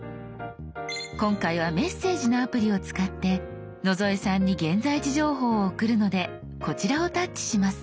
今回は「メッセージ」のアプリを使って野添さんに現在地情報を送るのでこちらをタッチします。